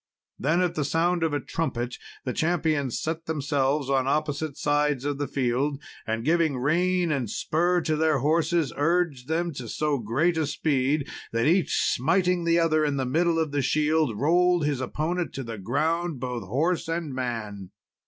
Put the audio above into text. Then, at the sound of a trumpet, the champions set themselves on opposite sides of the field, and giving rein and spur to their horses urged them to so great a speed that each smiting the other in the middle of the shield, rolled his opponent to the ground, both horse and man.